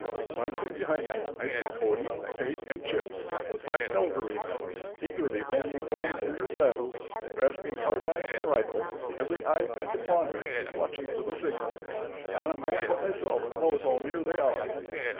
"Glancing behind me, I see Cody, Tait, and 'Chips,' with five cavalrymen, eagerly bending forward in their saddles, grasping carbine and rifle, every eye bent upon me, watching for the signal. Not a man but myself knows how near they are.